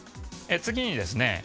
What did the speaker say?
次にですね